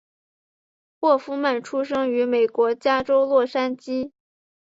霍夫曼出生于美国加州洛杉矶。